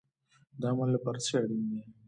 د عمل لپاره څه شی اړین دی؟